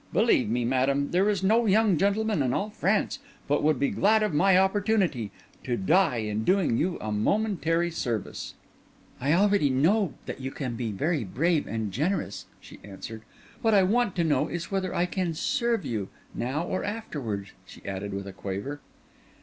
Believe me, madam, there is no young gentleman in all France but would be glad of my opportunity, to die in doing you a momentary service." "I know already that you can be very brave and generous," she answered. "What I want to know is whether I can serve you—now or afterwards," she added, with a quaver.